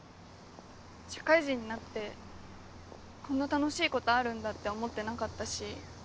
社会人になってこんな楽しいことあるんだって思ってなかったし。